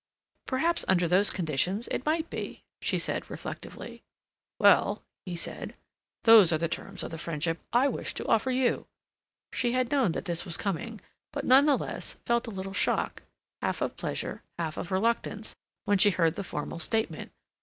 "Perhaps under those conditions it might be," she said reflectively. "Well," he said, "those are the terms of the friendship I wish to offer you." She had known that this was coming, but, none the less, felt a little shock, half of pleasure, half of reluctance, when she heard the formal statement.